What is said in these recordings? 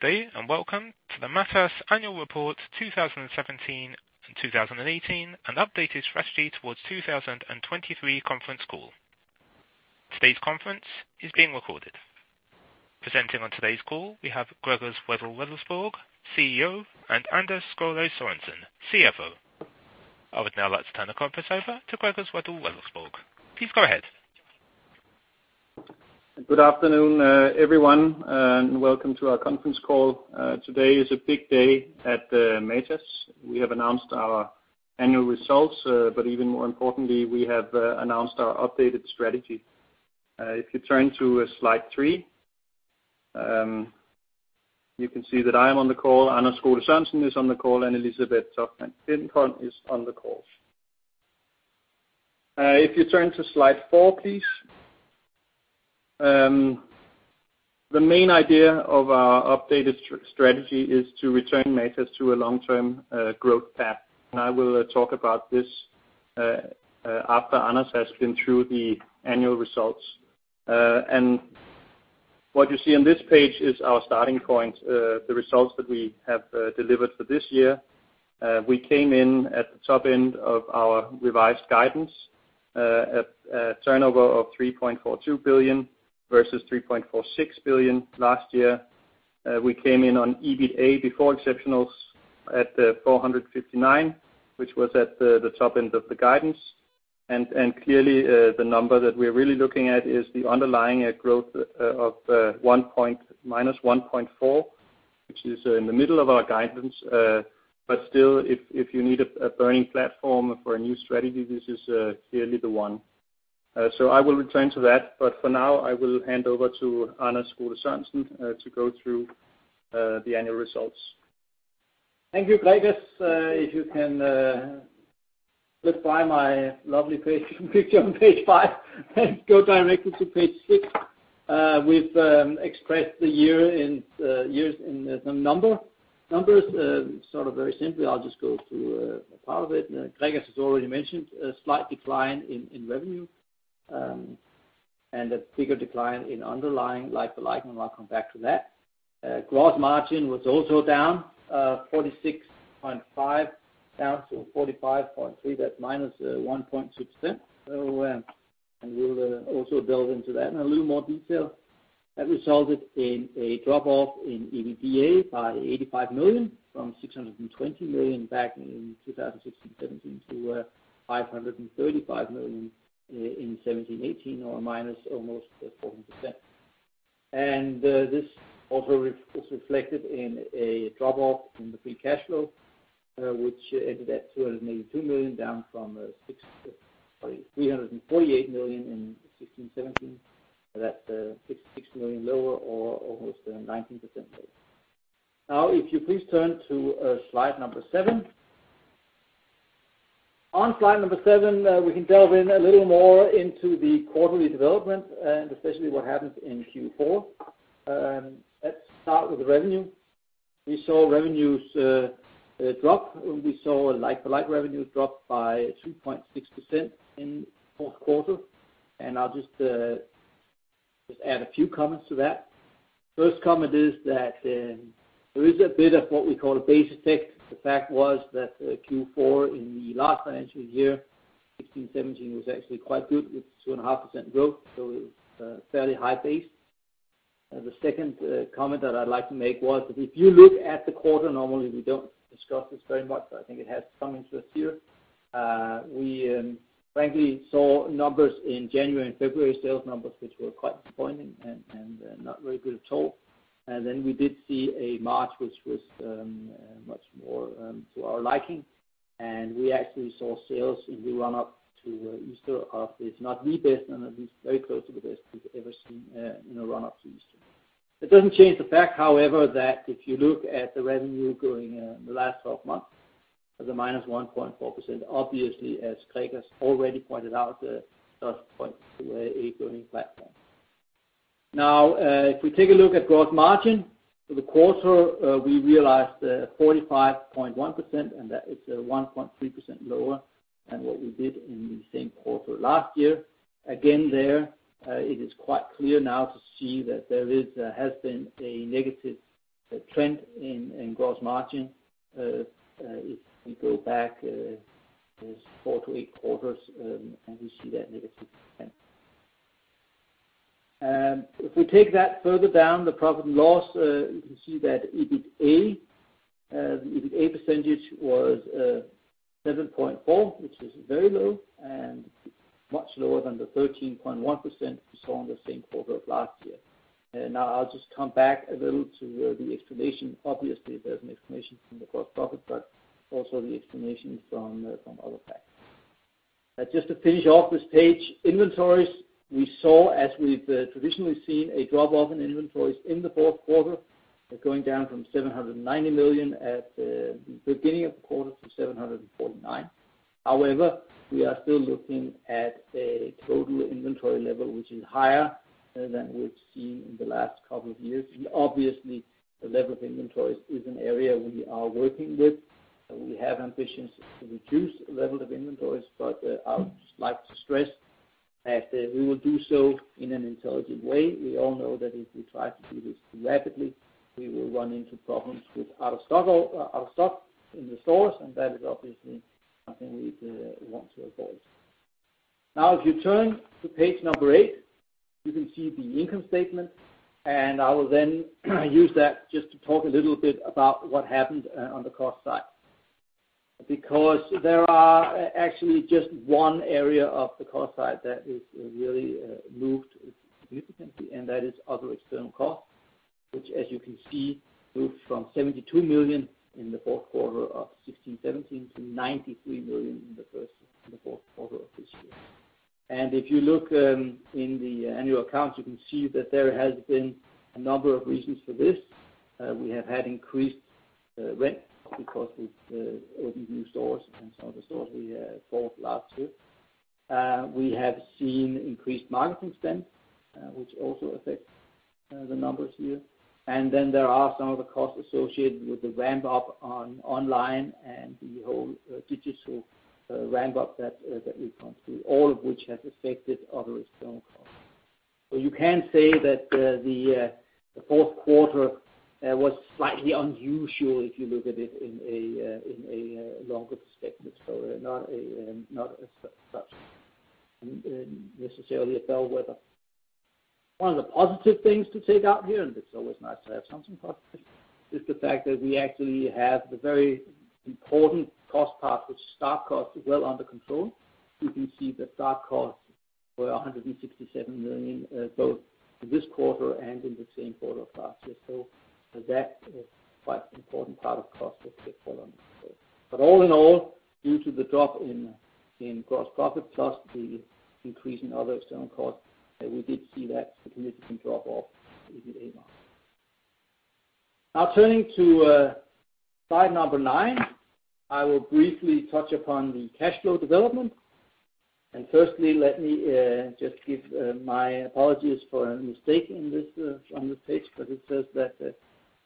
Good day, welcome to the Matas Annual Report 2017 and 2018 and Updated Strategy towards 2023 conference call. Today's conference is being recorded. Presenting on today's call, we have Gregers Wedell-Wedellsborg, CEO, and Anders Skole-Sørensen, CFO. I would now like to turn the conference over to Gregers Wedell-Wedellsborg. Please go ahead. Good afternoon, everyone, welcome to our conference call. Today is a big day at Matas. We have announced our annual results, even more importantly, we have announced our updated strategy. If you turn to slide three, you can see that I am on the call, Anders Skole-Sørensen is on the call, and Elisabeth Toftmann Klintholm is on the call. If you turn to slide four, please. The main idea of our updated strategy is to return Matas to a long-term growth path. I will talk about this after Anders has been through the annual results. What you see on this page is our starting point, the results that we have delivered for this year. We came in at the top end of our revised guidance at a turnover of 3.42 billion versus 3.46 billion last year. We came in on EBITA before exceptionals at 459 million, which was at the top end of the guidance. Clearly, the number that we're really looking at is the underlying growth of -1.4%, which is in the middle of our guidance. Still, if you need a burning platform for a new strategy, this is clearly the one. I will return to that, but for now, I will hand over to Anders Skole-Sørensen to go through the annual results. Thank you, Gregers. If you can skip by my lovely picture on page five and go directly to page six. We've expressed the years in the numbers. Very simply, I'll just go through a part of it. Gregers has already mentioned a slight decline in revenue, a bigger decline in underlying like-for-like, and I'll come back to that. Gross margin was also down 46.5%, down to 45.3%. That's -1.6%. We'll also delve into that in a little more detail. That resulted in a drop-off in EBITDA by 85 million from 620 million back in 2016, 2017 to 535 million in 2017, 2018, or almost -14%. This also is reflected in a drop-off in the free cash flow, which ended at 282 million, down from 348 million in 2016, 2017. That's 66 million lower, or almost -19% lower. If you please turn to slide number seven. On slide number seven, we can delve in a little more into the quarterly development, especially what happened in Q4. Let's start with the revenue. We saw revenues drop, we saw like-for-like revenues drop by 3.6% in the fourth quarter. I'll just add a few comments to that. First comment is that there is a bit of what we call a base effect. The fact was that Q4 in the last financial year, 2016, 2017, was actually quite good with 2.5% growth, it was a fairly high base. The second comment that I'd like to make was that if you look at the quarter, normally we don't discuss this very much, I think it has some interest here. We frankly saw numbers in January and February, sales numbers, which were quite disappointing and not very good at all. We did see a March, which was much more to our liking. We actually saw sales in the run-up to Easter of, if not the best, then at least very close to the best we've ever seen in a run-up to Easter. It doesn't change the fact, however, that if you look at the revenue going in the last 12 months as a minus 1.4%, obviously, as Gregers already pointed out, does point to a growing platform. If we take a look at gross margin, for the quarter, we realized 45.1%, that is 1.3% lower than what we did in the same quarter last year. Again there, it is quite clear now to see that there has been a negative trend in gross margin. If we go back four to eight quarters, we see that negative trend. If we take that further down the profit and loss, you can see that EBITA percentage was 7.4%, which is very low much lower than the 13.1% we saw in the same quarter of last year. I'll just come back a little to the explanation. Obviously, there's an explanation from the gross profit, also the explanation from other factors. Just to finish off this page, inventories, we saw, as we've traditionally seen, a drop-off in inventories in the fourth quarter, going down from 790 million at the beginning of the quarter to 749 million. However, we are still looking at a total inventory level which is higher than we've seen in the last couple of years. Obviously, the level of inventories is an area we are working with, we have ambitions to reduce the level of inventories, but I would just like to stress as we will do so in an intelligent way. We all know that if we try to do this too rapidly, we will run into problems with out of stock in the stores, that is obviously something we want to avoid. If you turn to page number eight, you can see the income statement, I will then use that just to talk a little bit about what happened on the cost side. There are actually just one area of the cost side that is really moved significantly, and that is other external costs, which as you can see, moved from 72 million in the fourth quarter of 2016, 2017 to 93 million in the fourth quarter of this year. If you look in the annual accounts, you can see that there has been a number of reasons for this. We have had increased rent because we opened new stores and some of the stores we bought last year. We have seen increased marketing spend, which also affects the numbers here. Then there are some of the costs associated with the ramp up on online and the whole digital ramp up that we went through, all of which has affected other external costs. You can say that the fourth quarter was slightly unusual if you look at it in a longer perspective. Not as such necessarily a bellwether. One of the positive things to take out here, and it's always nice to have something positive, is the fact that we actually have the very important cost part with stock costs well under control. You can see that stock costs were 167 million, both in this quarter and in the same quarter of last year. That quite important part of cost is following. All in all, due to the drop in gross profit plus the increase in other external costs, we did see that significant drop off in the EBITDA margin. Turning to slide number nine, I will briefly touch upon the cash flow development. Firstly, let me just give my apologies for a mistake on this page, but it says that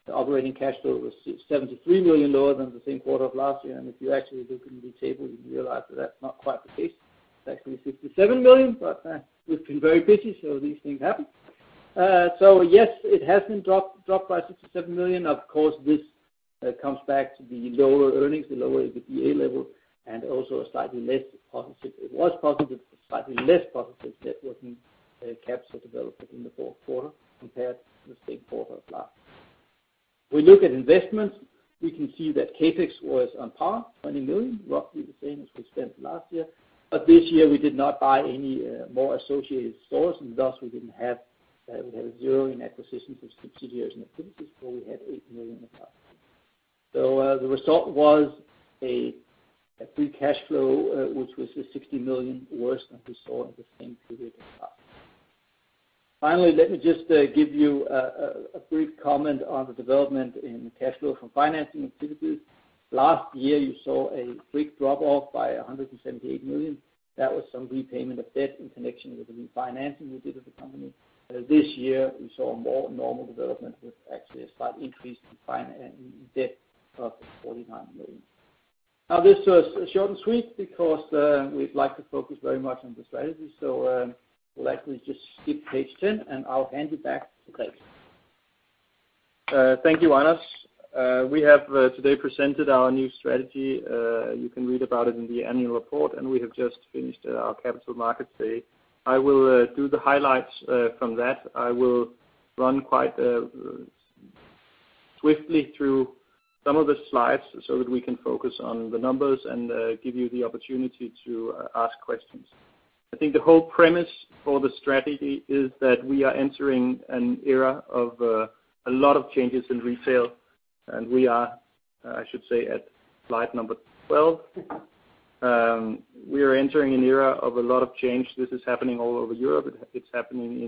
the operating cash flow was 673 million lower than the same quarter of last year. If you actually look in the table, you realize that's not quite the case. It's actually 67 million, but we've been very busy, so these things happen. Yes, it has been dropped by 67 million. Of course, this comes back to the lower earnings, the lower EBITDA level, and also a slightly less positive net working capital development in the fourth quarter compared to the same quarter of last year. We look at investments, we can see that CapEx was on par, 20 million, roughly the same as we spent last year. This year we did not buy any more associated stores and thus we had a zero in acquisitions of subsidiaries and affiliates, where we had eight million last year. The result was a free cash flow, which was 60 million worse than we saw in the same period as last year. Finally, let me just give you a brief comment on the development in cash flow from financing activities. Last year you saw a big drop off by 178 million. That was some repayment of debt in connection with the refinancing we did of the company. This year we saw more normal development with actually a slight increase in debt of 49 million. This was short and sweet because we'd like to focus very much on the strategy. We'll actually just skip page 10, and I'll hand it back to Gregers. Thank you, Anders Skole-Sørensen. We have today presented our new strategy. You can read about it in the annual report. We have just finished our Capital Markets Day. I will do the highlights from that. I will run quite swiftly through some of the slides so that we can focus on the numbers and give you the opportunity to ask questions. The whole premise for the strategy is that we are entering an era of a lot of changes in retail. We are, I should say at slide number 12. We are entering an era of a lot of change. This is happening all over Europe. It is happening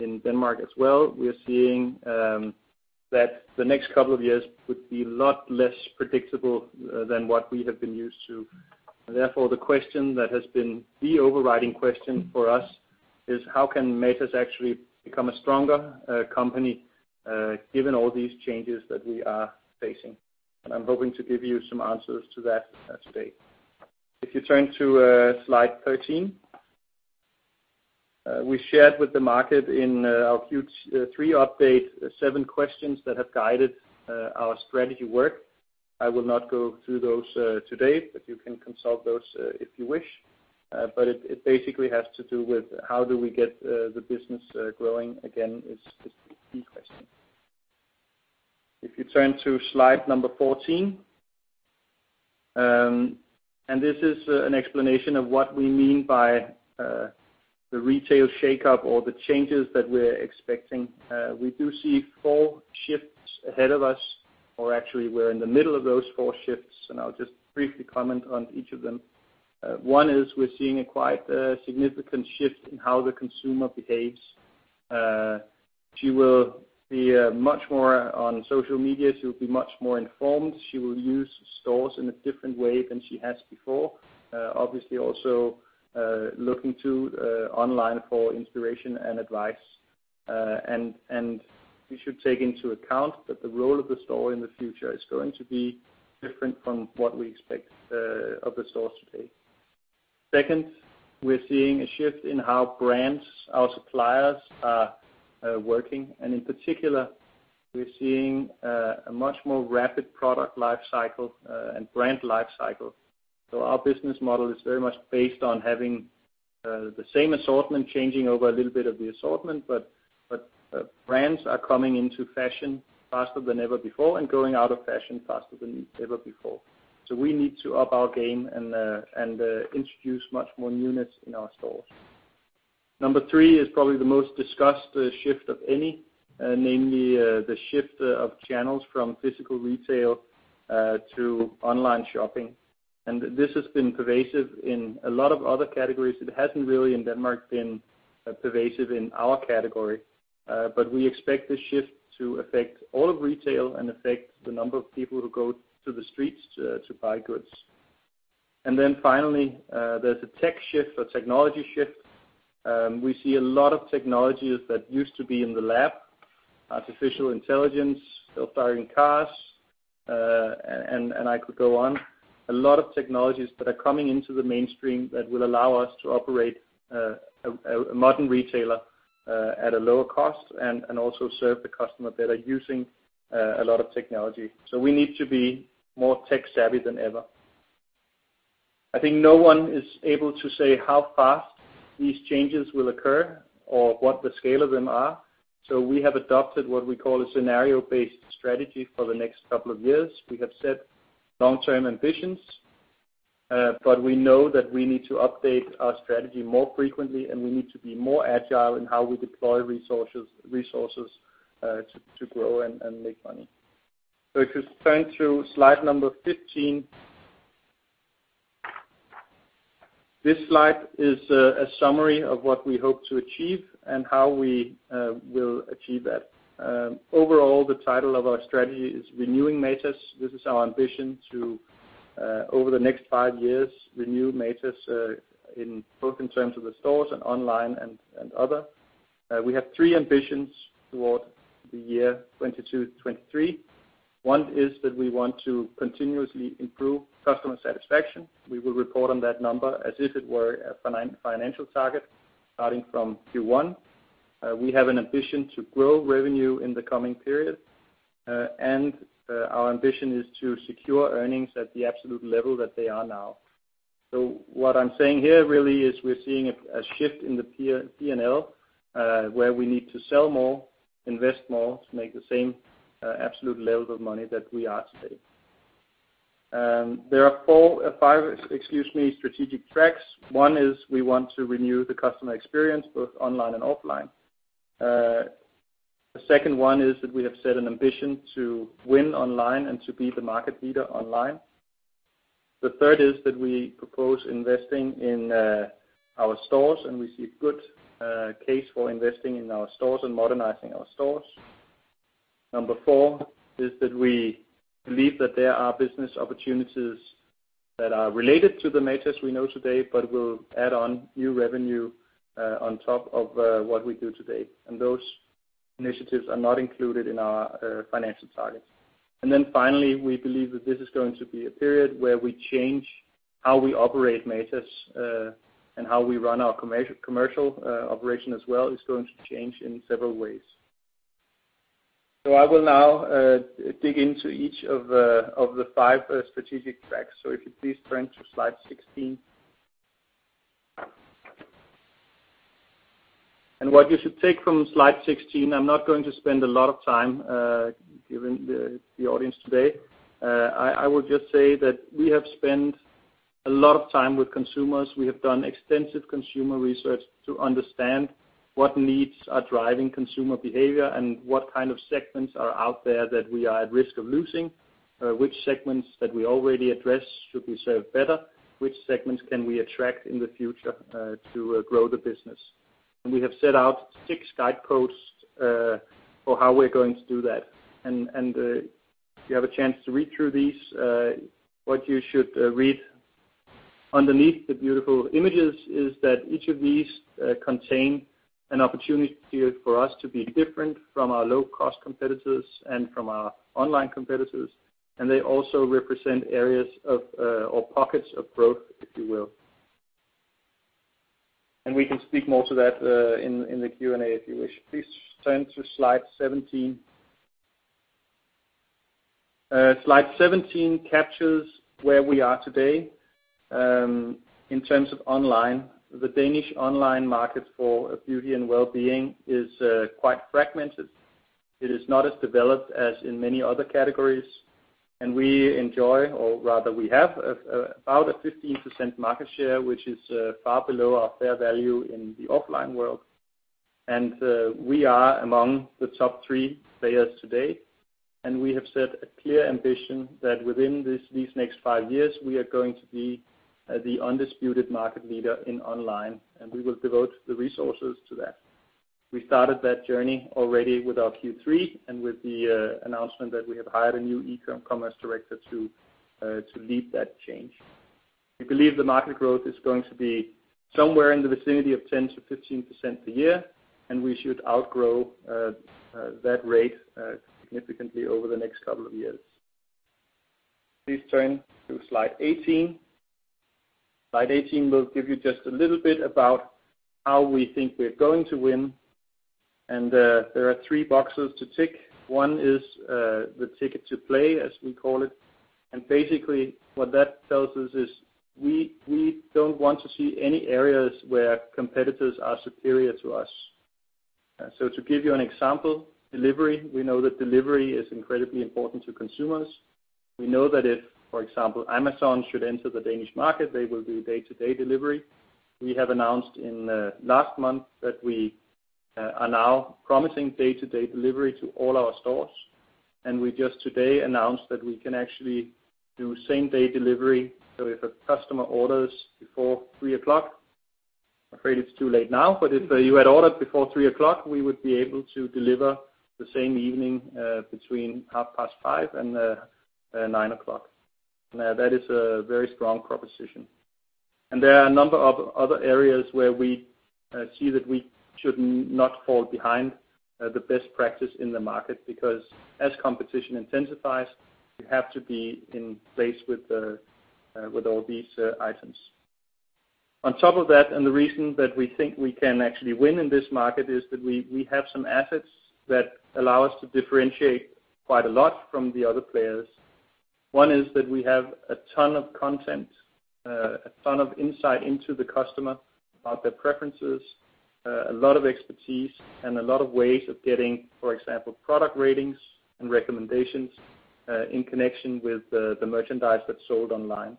in Denmark as well. We are seeing that the next couple of years would be a lot less predictable than what we have been used to. Therefore, the question that has been the overriding question for us is how can Matas actually become a stronger company given all these changes that we are facing? I am hoping to give you some answers to that today. If you turn to slide 13. We shared with the market in our Q3 update, seven questions that have guided our strategy work. I will not go through those today, but you can consult those if you wish. It basically has to do with how do we get the business growing again is the key question. If you turn to slide number 14. This is an explanation of what we mean by the retail shakeup or the changes that we are expecting. We do see four shifts ahead of us, or actually we are in the middle of those four shifts. I will just briefly comment on each of them. One is, we are seeing a quite significant shift in how the consumer behaves. She will be much more on social media. She will be much more informed. She will use stores in a different way than she has before. Obviously also looking to online for inspiration and advice. You should take into account that the role of the store in the future is going to be different from what we expect of the stores today. Second, we are seeing a shift in how brands, our suppliers, are working. In particular, we are seeing a much more rapid product life cycle and brand life cycle. Our business model is very much based on having the same assortment, changing over a little bit of the assortment, but brands are coming into fashion faster than ever before and going out of fashion faster than ever before. We need to up our game and introduce much more units in our stores. Number three is probably the most discussed shift of any, namely the shift of channels from physical retail to online shopping. This has been pervasive in a lot of other categories. It has not really, in Denmark, been pervasive in our category. We expect this shift to affect all of retail and affect the number of people who go to the streets to buy goods. Then finally, there is a tech shift, a technology shift. We see a lot of technologies that used to be in the lab, artificial intelligence, self-driving cars, and I could go on. A lot of technologies that are coming into the mainstream that will allow us to operate a modern retailer at a lower cost and also serve the customer better using a lot of technology. We need to be more tech-savvy than ever. I think no one is able to say how fast these changes will occur or what the scale of them are. We have adopted what we call a scenario-based strategy for the next couple of years. We have set long-term ambitions, but we know that we need to update our strategy more frequently, and we need to be more agile in how we deploy resources to grow and make money. If you turn to slide 15. This slide is a summary of what we hope to achieve and how we will achieve that. Overall, the title of our strategy is Renewing Matas. This is our ambition to, over the next 5 years, renew Matas both in terms of the stores and online and other. We have three ambitions toward the year 2022, 2023. One is that we want to continuously improve customer satisfaction. We will report on that number as if it were a financial target starting from Q1. We have an ambition to grow revenue in the coming period. Our ambition is to secure earnings at the absolute level that they are now. What I'm saying here really is we're seeing a shift in the P&L, where we need to sell more, invest more to make the same absolute level of money that we are today. There are 5 strategic tracks. One is we want to renew the customer experience, both online and offline. The second one is that we have set an ambition to win online and to be the market leader online. The third is that we propose investing in our stores, and we see a good case for investing in our stores and modernizing our stores. Number 4 is that we believe that there are business opportunities that are related to the Matas we know today, but will add on new revenue on top of what we do today. Those initiatives are not included in our financial targets. Finally, we believe that this is going to be a period where we change how we operate Matas, and how we run our commercial operation as well is going to change in several ways. I will now dig into each of the 5 strategic tracks. If you'd please turn to slide 16. What you should take from slide 16, I'm not going to spend a lot of time given the audience today. I will just say that we have spent a lot of time with consumers. We have done extensive consumer research to understand what needs are driving consumer behavior and what kind of segments are out there that we are at risk of losing, which segments that we already address should we serve better, which segments can we attract in the future to grow the business. We have set out 6 guideposts for how we're going to do that. If you have a chance to read through these, what you should read underneath the beautiful images is that each of these contain an opportunity for us to be different from our low-cost competitors and from our online competitors, and they also represent areas or pockets of growth, if you will. We can speak more to that in the Q&A if you wish. Please turn to slide 17. Slide 17 captures where we are today in terms of online. The Danish online market for beauty and wellbeing is quite fragmented. It is not as developed as in many other categories, we enjoy, or rather we have about a 15% market share, which is far below our fair value in the offline world. We are among the top three players today, and we have set a clear ambition that within these next five years, we are going to be the undisputed market leader in online, and we will devote the resources to that. We started that journey already with our Q3 and with the announcement that we have hired a new e-commerce director to lead that change. We believe the market growth is going to be somewhere in the vicinity of 10%-15% per year, and we should outgrow that rate significantly over the next couple of years. Please turn to slide 18. Slide 18 will give you just a little bit about how we think we're going to win, and there are three boxes to tick. One is the ticket to play, as we call it. Basically what that tells us is we don't want to see any areas where competitors are superior to us. To give you an example, delivery, we know that delivery is incredibly important to consumers. We know that if, for example, Amazon should enter the Danish market, they will do day-to-day delivery. We have announced in last month that we are now promising day-to-day delivery to all our stores. We just today announced that we can actually do same-day delivery, so if a customer orders before three o'clock, I'm afraid it's too late now, but if you had ordered before three o'clock, we would be able to deliver the same evening, between half past five and nine o'clock. Now, that is a very strong proposition. There are a number of other areas where we see that we should not fall behind the best practice in the market, because as competition intensifies, you have to be in place with all these items. On top of that, and the reason that we think we can actually win in this market is that we have some assets that allow us to differentiate quite a lot from the other players. One is that we have a ton of content, a ton of insight into the customer about their preferences, a lot of expertise and a lot of ways of getting, for example, product ratings and recommendations, in connection with the merchandise that's sold online.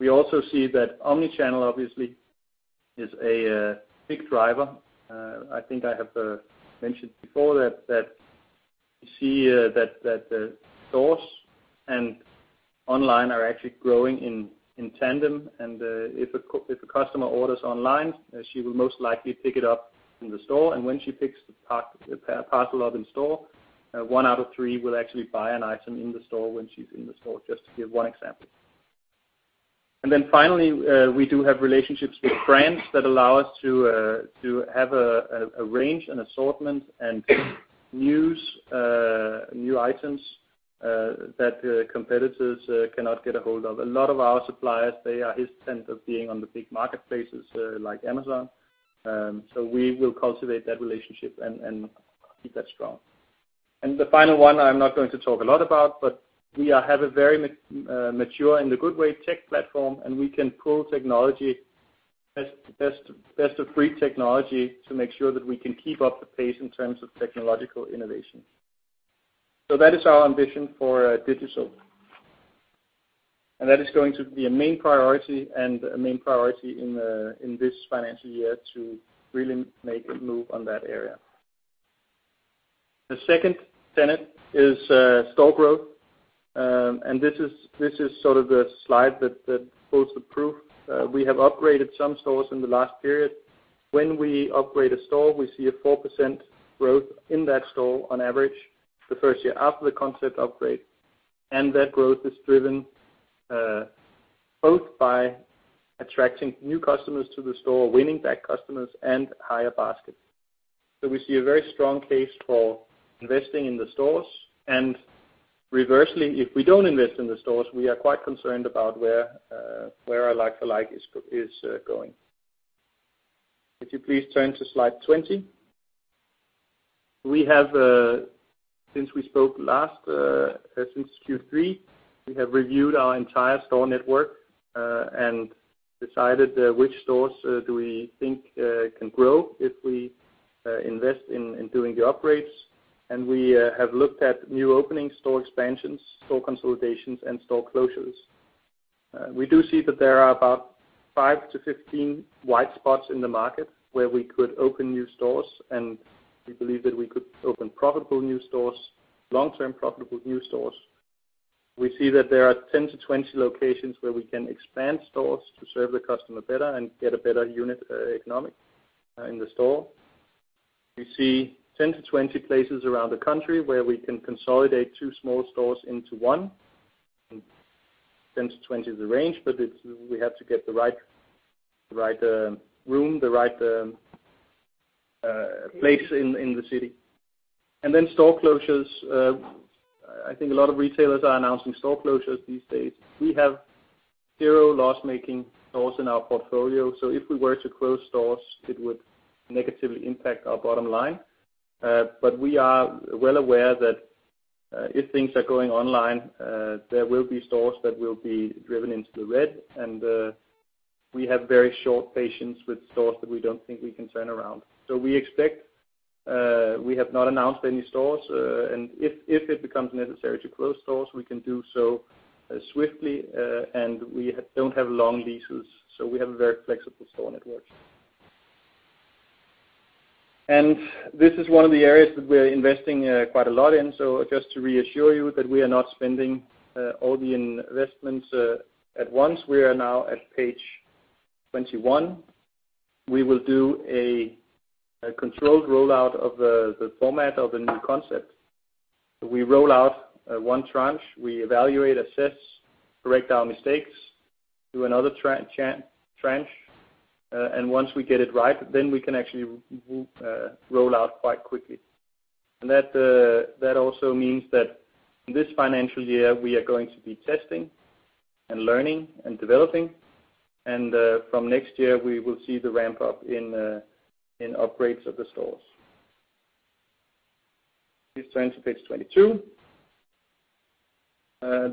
We also see that omni-channel obviously is a big driver. I think I have mentioned before that you see that the stores and online are actually growing in tandem, and if a customer orders online, she will most likely pick it up in the store. When she picks the parcel up in store, one out of three will actually buy an item in the store when she's in the store, just to give one example. Then finally, we do have relationships with brands that allow us to have a range and assortment and new items that competitors cannot get a hold of. A lot of our suppliers, they are hesitant of being on the big marketplaces like Amazon. We will cultivate that relationship and keep that strong. The final one I am not going to talk a lot about, but we have a very mature, in a good way, tech platform. We can pull best of breed technology to make sure that we can keep up the pace in terms of technological innovation. That is our ambition for digital. That is going to be a main priority in this financial year to really make a move on that area. The second tenet is store growth. This is sort of the slide that pulls the proof. We have upgraded some stores in the last period. When we upgrade a store, we see a 4% growth in that store on average the first year after the concept upgrade. That growth is driven both by attracting new customers to the store, winning back customers, and higher baskets. We see a very strong case for investing in the stores. Reversely, if we do not invest in the stores, we are quite concerned about where our like-for-like is going. Could you please turn to slide 20? Since we spoke last, since Q3, we have reviewed our entire store network. Decided which stores do we think can grow if we invest in doing the upgrades. We have looked at new opening store expansions, store consolidations, and store closures. We do see that there are about 5 to 15 white spots in the market where we could open new stores. We believe that we could open profitable new stores, long-term profitable new stores. We see that there are 10 to 20 locations where we can expand stores to serve the customer better and get a better unit economic in the store. We see 10 to 20 places around the country where we can consolidate two small stores into one. 10 to 20 is the range, but we have to get the right room, the right place in the city. Then store closures, I think a lot of retailers are announcing store closures these days. We have zero loss-making stores in our portfolio, so if we were to close stores, it would negatively impact our bottom line. But we are well aware that if things are going online, there will be stores that will be driven into the red, and we have very short patience with stores that we do not think we can turn around. We expect, we have not announced any stores, and if it becomes necessary to close stores, we can do so swiftly, and we do not have long leases, so we have a very flexible store network. This is one of the areas that we are investing quite a lot in. Just to reassure you that we are not spending all the investments at once, we are now at page 21. We will do a controlled rollout of the format of the new concept. We roll out one tranche, we evaluate, assess, correct our mistakes, do another tranche. Once we get it right, then we can actually roll out quite quickly. That also means that in this financial year, we are going to be testing and learning and developing, and from next year we will see the ramp up in upgrades of the stores. Please turn to page 22.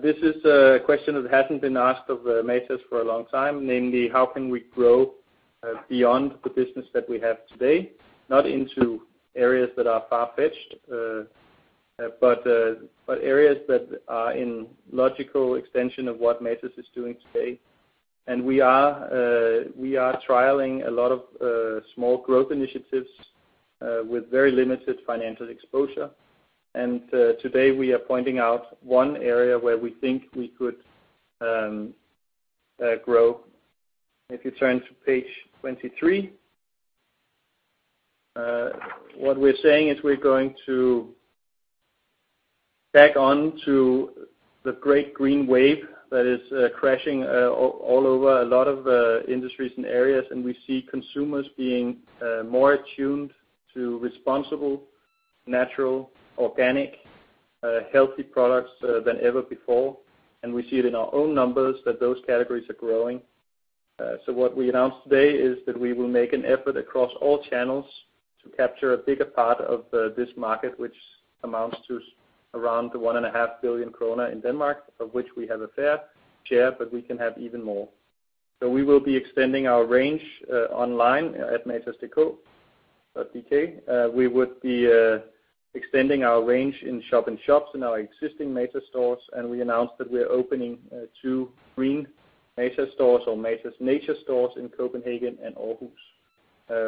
This is a question that hasn't been asked of Matas for a long time, namely how can we grow beyond the business that we have today? Not into areas that are far-fetched, but areas that are in logical extension of what Matas is doing today. We are trialing a lot of small growth initiatives with very limited financial exposure. Today we are pointing out one area where we think we could grow. If you turn to page 23. What we're saying is we're going to tag on to the great green wave that is crashing all over a lot of industries and areas, and we see consumers being more attuned to responsible, natural, organic, healthy products than ever before. We see it in our own numbers that those categories are growing. What we announced today is that we will make an effort across all channels to capture a bigger part of this market, which amounts to around 1.5 billion krone in Denmark, of which we have a fair share, but we can have even more. We will be extending our range online at matas.dk. We would be extending our range in shop-in-shops in our existing Matas stores, and we announced that we're opening two green Matas stores or Matas Natur stores in Copenhagen and Aarhus,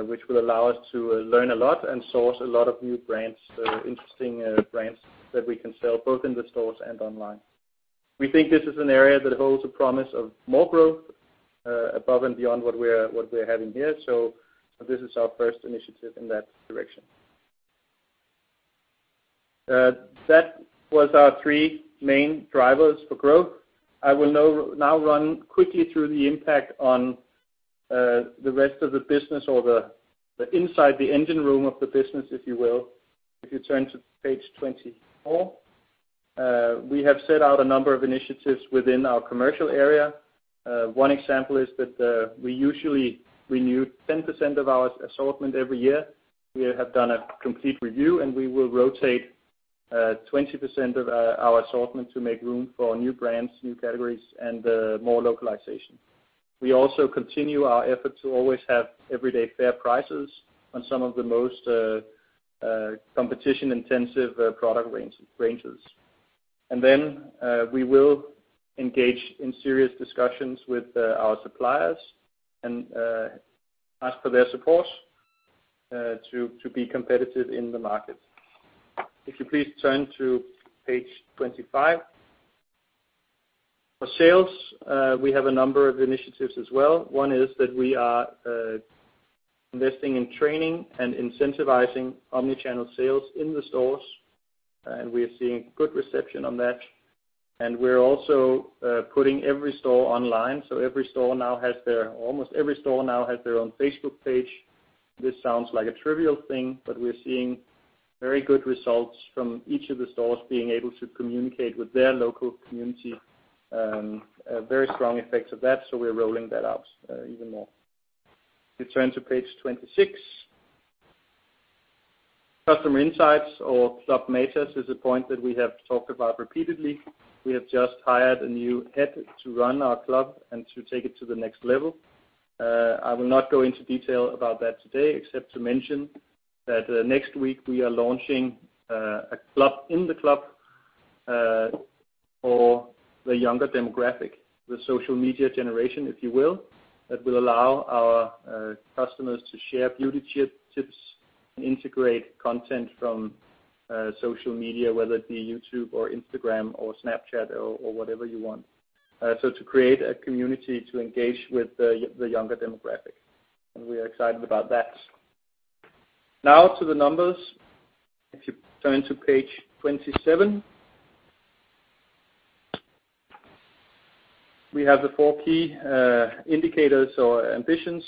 which will allow us to learn a lot and source a lot of new brands, interesting brands that we can sell both in the stores and online. We think this is an area that holds a promise of more growth above and beyond what we're having here. This is our first initiative in that direction. That was our three main drivers for growth. I will now run quickly through the impact on the rest of the business or the inside the engine room of the business, if you will. If you turn to page 24, we have set out a number of initiatives within our commercial area. One example is that we usually renew 10% of our assortment every year. We have done a complete review, and we will rotate 20% of our assortment to make room for new brands, new categories, and more localization. We also continue our effort to always have everyday fair prices on some of the most competition-intensive product ranges. We will engage in serious discussions with our suppliers and ask for their support to be competitive in the market. If you please turn to page 25. For sales, we have a number of initiatives as well. One is that we are investing in training and incentivizing omni-channel sales in the stores. We are seeing good reception on that. We're also putting every store online, almost every store now has their own Facebook page. This sounds like a trivial thing, but we're seeing very good results from each of the stores being able to communicate with their local community, very strong effects of that. We're rolling that out even more. If you turn to page 26. Customer insights or Club Matas is a point that we have talked about repeatedly. We have just hired a new head to run our club and to take it to the next level. I will not go into detail about that today except to mention that next week we are launching a club in the club for the younger demographic, the social media generation, if you will, that will allow our customers to share beauty tips and integrate content from social media, whether it be YouTube or Instagram or Snapchat or whatever you want. To create a community to engage with the younger demographic. We are excited about that. Now to the numbers. If you turn to page 27. We have the four key indicators or ambitions.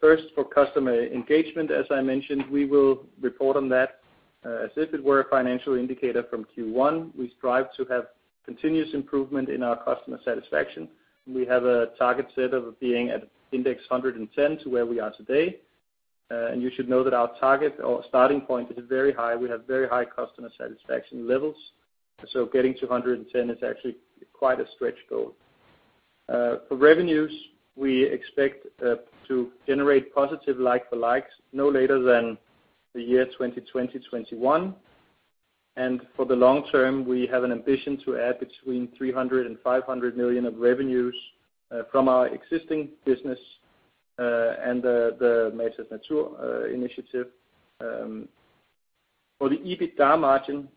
First, for customer engagement, as I mentioned, we will report on that as if it were a financial indicator from Q1. We strive to have continuous improvement in our customer satisfaction. We have a target set of being at index 110 to where we are today. You should know that our target or starting point is very high. We have very high customer satisfaction levels. Getting to 110 is actually quite a stretch goal. For revenues, we expect to generate positive like-for-like no later than the year 2020, 2021. For the long term, we have an ambition to add between 300 million and 500 million of revenues from our existing business and the Matas Natur initiative. For the EBITDA margin,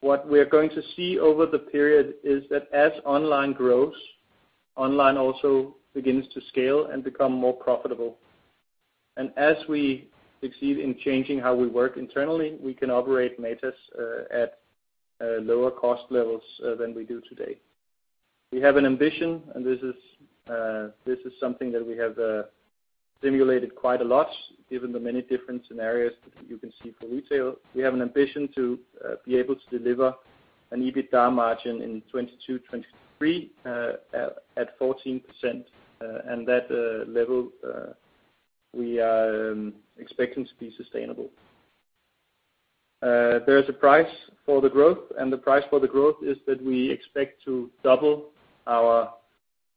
what we're going to see over the period is that as online grows, online also begins to scale and become more profitable. As we succeed in changing how we work internally, we can operate Matas at lower cost levels than we do today. We have an ambition, and this is something that we have simulated quite a lot, given the many different scenarios that you can see for retail. We have an ambition to be able to deliver an EBITDA margin in 2022, 2023 at 14%, and that level we are expecting to be sustainable. There is a price for the growth, and the price for the growth is that we expect to double our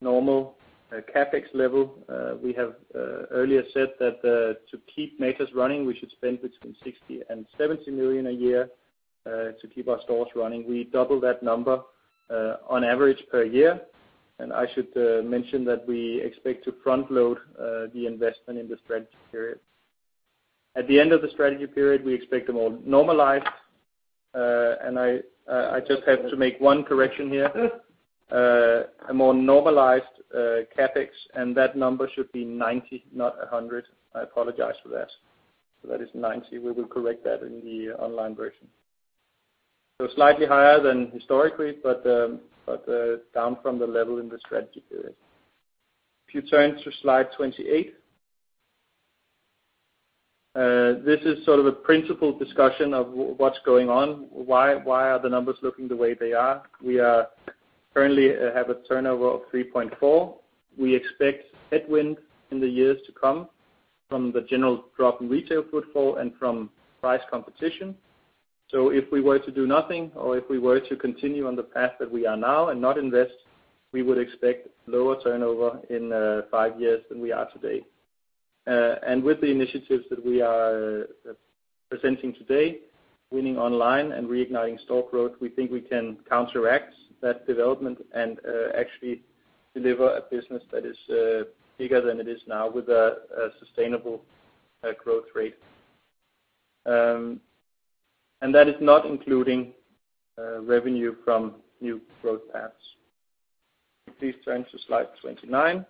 normal CapEx level. We have earlier said that to keep Matas running, we should spend between 60 million and 70 million a year to keep our stores running. We double that number on average per year, and I should mention that we expect to front-load the investment in the strategy period. At the end of the strategy period, we expect a more normalized, and I just have to make one correction here, a more normalized CapEx, and that number should be 90, not 100. I apologize for that. That is 90. We will correct that in the online version. Slightly higher than historically, but down from the level in the strategy period. If you turn to slide 28. This is sort of a principle discussion of what's going on, why are the numbers looking the way they are. We currently have a turnover of 3.4. We expect headwind in the years to come from the general drop in retail footfall and from price competition. If we were to do nothing, or if we were to continue on the path that we are now and not invest, we would expect lower turnover in five years than we are today. With the initiatives that we are presenting today, winning online and reigniting store growth, we think we can counteract that development and actually deliver a business that is bigger than it is now with a sustainable growth rate. That is not including revenue from new growth paths. Please turn to slide 29.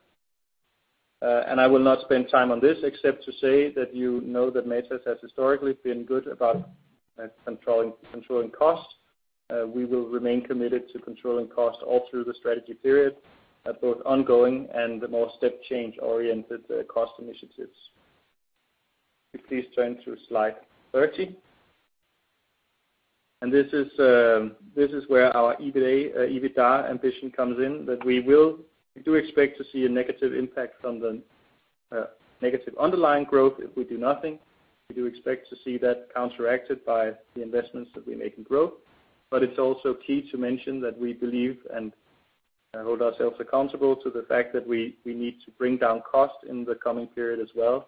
I will not spend time on this except to say that you know that Matas has historically been good about controlling costs. We will remain committed to controlling costs all through the strategy period, both ongoing and the more step change-oriented cost initiatives. If you please turn to slide 30. This is where our EBITDA ambition comes in, that we do expect to see a negative impact from the negative underlying growth if we do nothing. We do expect to see that counteracted by the investments that we make in growth. It's also key to mention that we believe and hold ourselves accountable to the fact that we need to bring down costs in the coming period as well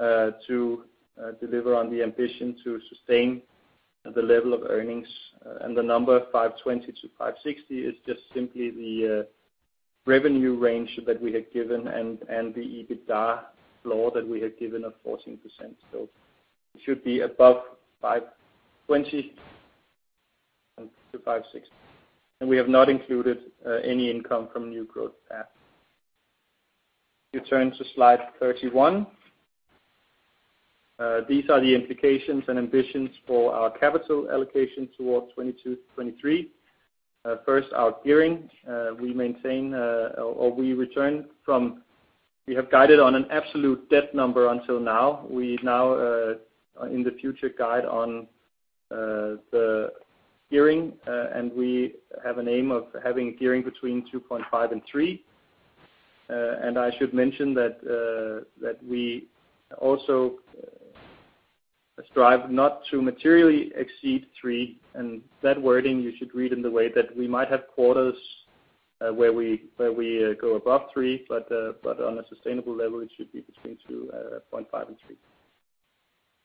to deliver on the ambition to sustain the level of earnings. The number 520-560 is just simply the revenue range that we had given and the EBITDA floor that we had given of 14%. It should be above 520-560. We have not included any income from new growth path. If you turn to slide 31, these are the implications and ambitions for our capital allocation towards 2022, 2023. First, our gearing. We have guided on an absolute debt number until now. We now in the future guide on the gearing, and we have an aim of having a gearing between 2.5 and 3. I should mention that we also strive not to materially exceed 3, and that wording you should read in the way that we might have quarters where we go above 3, but on a sustainable level, it should be between 2.5 and 3.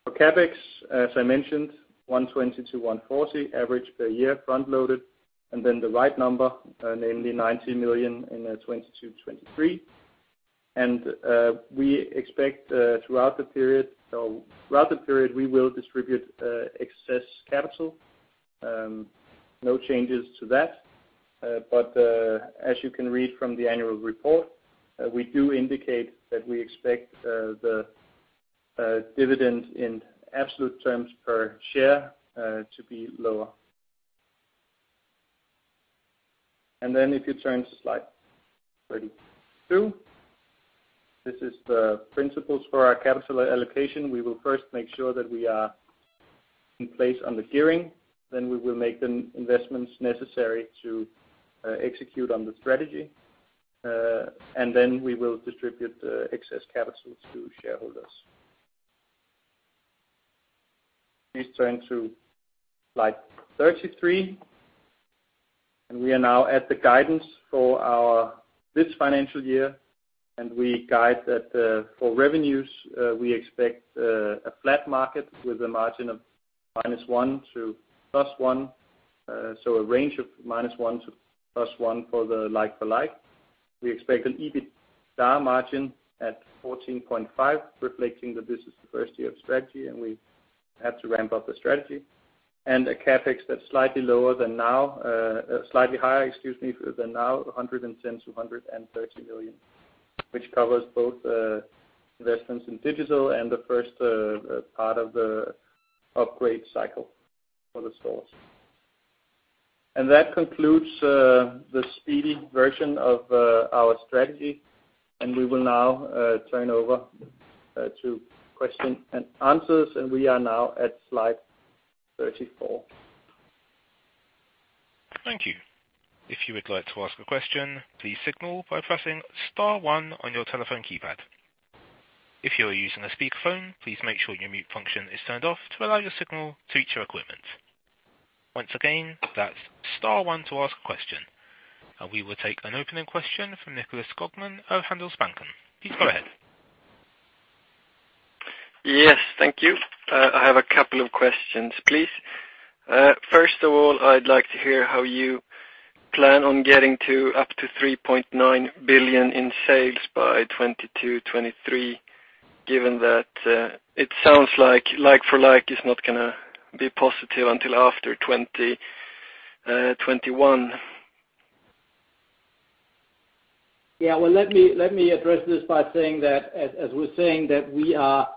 For CapEx, as I mentioned, 120 million-140 million average per year front-loaded, then the right number, namely 90 million in 2022, 2023. We expect throughout the period, we will distribute excess capital. No changes to that. As you can read from the annual report, we do indicate that we expect the dividend in absolute terms per share to be lower. If you turn to slide 32, this is the principles for our capital allocation. We will first make sure that we are in place on the gearing, we will make the investments necessary to execute on the strategy, we will distribute the excess capital to shareholders. Please turn to slide 33, we are now at the guidance for this financial year, we guide that for revenues, we expect a flat market with a margin of -1% to +1%, so a range of -1% to +1% for the like-for-like. We expect an EBITDA margin at 14.5%, reflecting that this is the first year of strategy, we have to ramp up the strategy. A CapEx that's slightly higher than now, 110 million-130 million, which covers both investments in digital and the first part of the upgrade cycle for the stores. That concludes the speedy version of our strategy, we will now turn over to question and answers, we are now at slide 34. Thank you. If you would like to ask a question, please signal by pressing star one on your telephone keypad. If you are using a speakerphone, please make sure your mute function is turned off to allow your signal to reach our equipment. Once again, that's star one to ask a question. We will take an opening question from Nicklas Skogman of Handelsbanken. Please go ahead. Yes, thank you. I have a couple of questions, please. First of all, I'd like to hear how you plan on getting to up to 3.9 billion in sales by 2022, 2023, given that it sounds like like-for-like is not going to be positive until after 2021. Let me address this by saying that, as we're saying, that we are,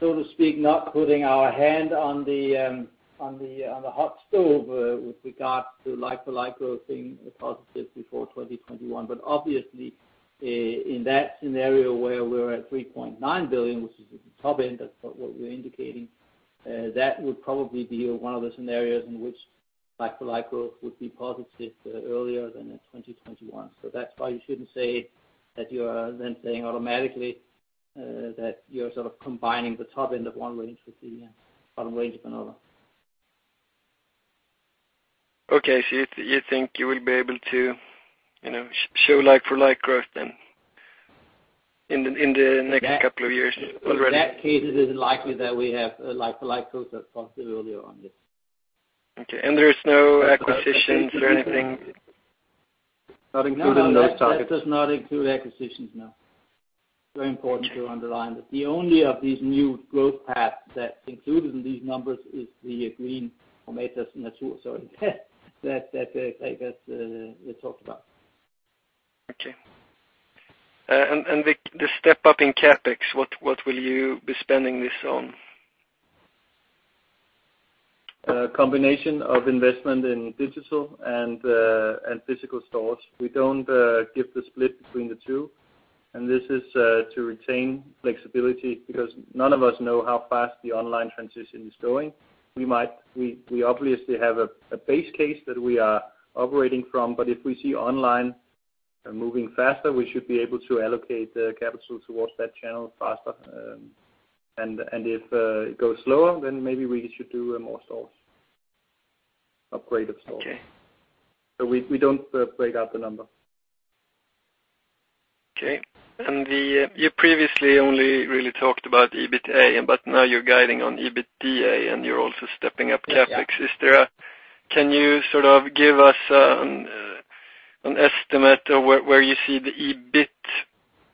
so to speak, not putting our hand on the hot stove with regard to like-for-like growth being positive before 2021. Obviously, in that scenario where we're at 3.9 billion, which is at the top end of what we're indicating, that would probably be one of the scenarios in which like-for-like growth would be positive earlier than in 2021. That's why you shouldn't say that you are then saying automatically that you're sort of combining the top end of one range with the bottom range of another. Okay. You think you will be able to show like-for-like growth then in the next couple of years already? In that case, it isn't likely that we have like-for-like growth that's positive earlier on this. Okay, there's no acquisitions or anything? Not included in those targets. No, that does not include acquisitions, no. Very important to underline that. The only of these new growth paths that's included in these numbers is the green for Matas Natur that we talked about. Okay. The step-up in CapEx, what will you be spending this on? A combination of investment in digital and physical stores. We don't give the split between the two, this is to retain flexibility because none of us know how fast the online transition is going. We obviously have a base case that we are operating from, but if we see online moving faster, we should be able to allocate the capital towards that channel faster. If it goes slower, then maybe we should do more stores, upgrade of stores. Okay. We don't break out the number. Okay. You previously only really talked about EBITA, now you're guiding on EBITDA and you're also stepping up CapEx. Yeah. Can you sort of give us an estimate of where you see the EBIT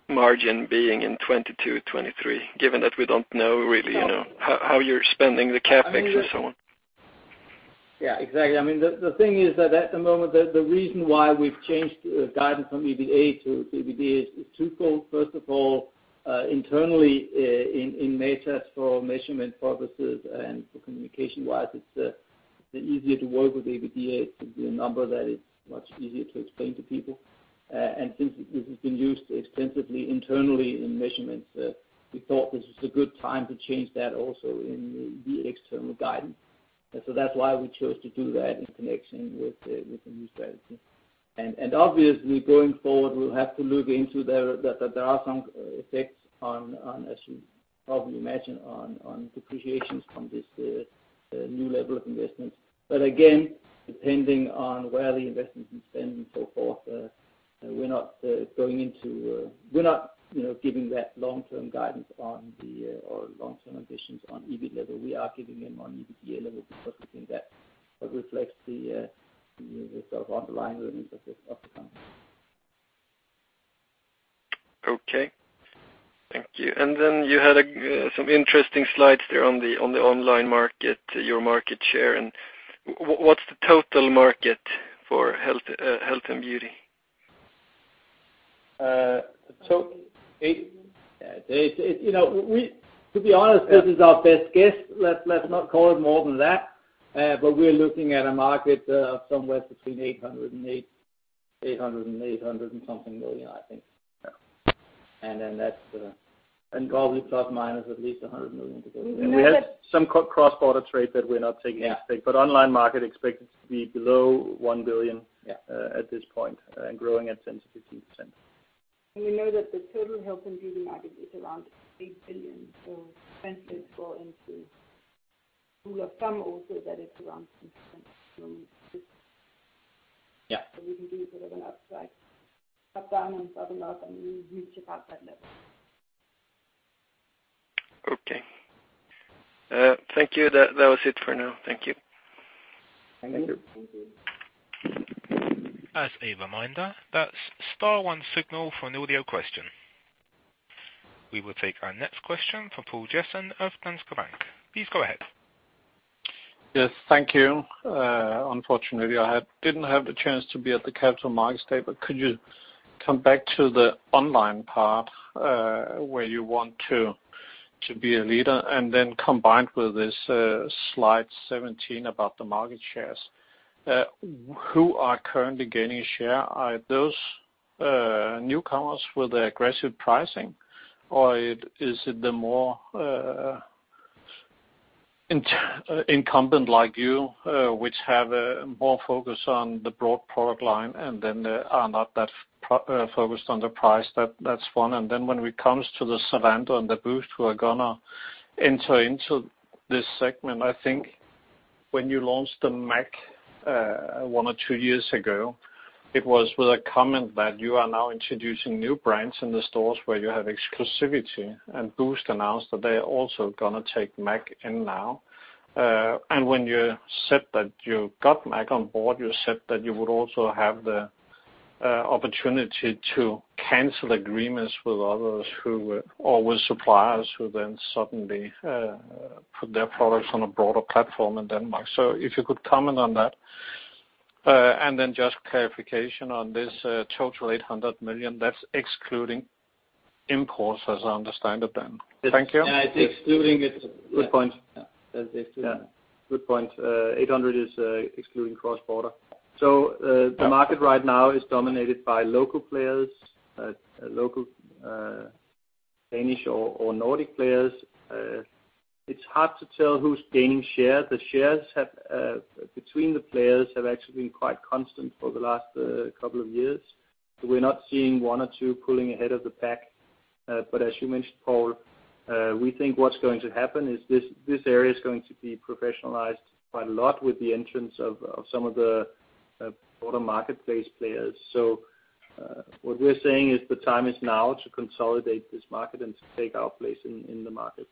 margin being in 2022, 2023, given that we don't know really how you're spending the CapEx and so on? Yeah, exactly. The thing is that at the moment, the reason why we've changed guidance from EBITA to EBITDA is twofold. First of all, internally in Matas for measurement purposes and for communication wise, it's easier to work with EBITDA. It's a number that is much easier to explain to people. Since this has been used extensively internally in measurements, we thought this was a good time to change that also in the external guidance. That's why we chose to do that in connection with the new strategy. Obviously, going forward, we'll have to look into that there are some effects on, as you probably imagine, on depreciations from this new level of investment. Again, depending on where the investments in spend and so forth, we're not giving that long-term guidance or long-term ambitions on EBIT level. We are giving them on EBITDA level because we think that reflects the sort of underlying earnings of the company. Okay. Thank you. Then you had some interesting slides there on the online market, your market share, and what's the total market for health and beauty? To be honest, this is our best guess. Let's not call it more than that. We're looking at a market of somewhere between 800 million and 800 and something million, I think. Yeah. Probably ± 100 million. We have some cross-border trade that we're not taking into effect. Yeah. Online market expected to be below 1 billion at this point, and growing at 10%-15%. We know that the total health and beauty market is around 8 billion, so 10% fall into rule of thumb also that it's around 10% from DKK 6 billion. Yeah. We can do sort of an upside up down and bottom-up, and we reach about that level. Okay. Thank you. That was it for now. Thank you. Thank you. As a reminder, that's star one signal for an audio question. We will take our next question from Poul Jessen of DNB. Please go ahead. Yes, thank you. Unfortunately, I didn't have the chance to be at the Capital Markets Day, but could you come back to the online part, where you want to be a leader, combined with this slide 17 about the market shares. Who are currently gaining share? Are those newcomers with the aggressive pricing, or is it the more incumbent like you which have more focus on the broad product line and are not that focused on the price? That's one. When it comes to the Zalando and the Boozt who are going to enter into this segment, I think when you launched the MAC one or two years ago, it was with a comment that you are now introducing new brands in the stores where you have exclusivity, and Boozt announced that they are also going to take MAC in now. When you said that you got MAC on board, you said that you would also have the opportunity to cancel agreements with others or with suppliers who then suddenly put their products on a broader platform in Denmark. If you could comment on that. Just clarification on this total 800 million, that's excluding imports as I understand it then. Thank you. Yeah, it's excluding it. Good point. Yeah. That's excluding. Yeah. Good point. 800 is excluding cross-border. The market right now is dominated by local players, local Danish or Nordic players. It's hard to tell who's gaining share. The shares between the players have actually been quite constant for the last couple of years. We're not seeing one or two pulling ahead of the pack. As you mentioned, Poul, we think what's going to happen is this area is going to be professionalized quite a lot with the entrance of some of the broader marketplace players. What we're saying is the time is now to consolidate this market and to take our place in the market.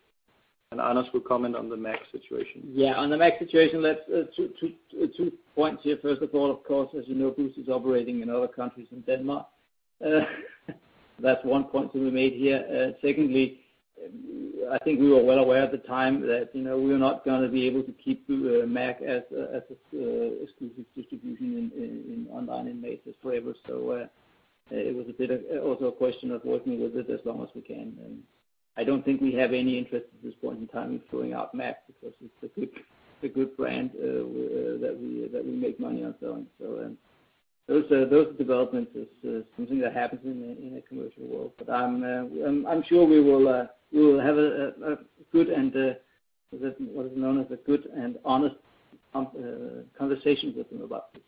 Anders will comment on the MAC situation. Yeah, on the MAC situation, two points here. First of all, of course, as you know, Boozt is operating in other countries than Denmark. That's one point to be made here. Secondly, I think we were well aware at the time that we were not going to be able to keep MAC as exclusive distribution online in Matas forever. It was a bit of also a question of working with it as long as we can. I don't think we have any interest at this point in time in throwing out MAC because it's a good brand that we make money on selling. Those developments is something that happens in a commercial world. I'm sure we will have what is known as a good and honest conversation with them about this.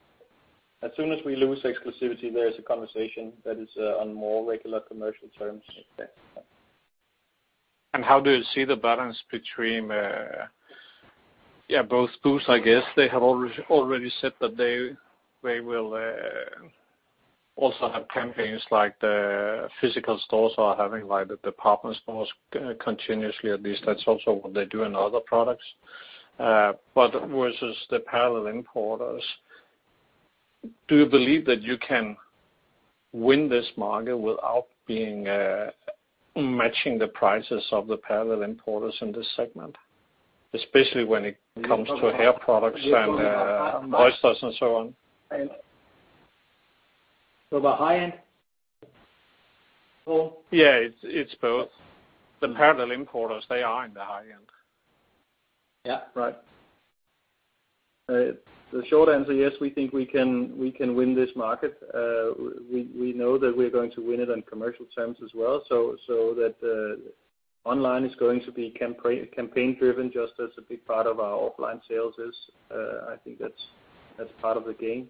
As soon as we lose exclusivity, there is a conversation that is on more regular commercial terms. Yeah. How do you see the balance between both Boozt, I guess they have already said that they will also have campaigns like the physical stores are having, like the department stores continuously, at least that's also what they do in other products. Versus the parallel importers, do you believe that you can win this market without matching the prices of the parallel importers in this segment? Especially when it comes to hair products and moisturizers and so on. The high end? Poul? Yeah, it's both. The parallel importers, they are in the high end. Yeah. Right. The short answer, yes, we think we can win this market. We know that we're going to win it on commercial terms as well, so that online is going to be campaign driven just as a big part of our offline sales is. I think that's part of the game.